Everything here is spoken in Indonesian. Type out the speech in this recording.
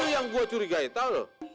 itu yang gua curigai tau loh